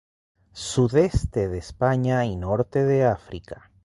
Sudeste de España y Norte de África.